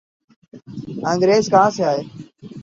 انگریز کہاں سے آئے؟